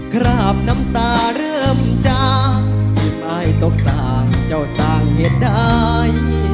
คราบน้ำตาเริ่มจากที่ไม่ตกสร้างเจ้าสร้างเหตุใด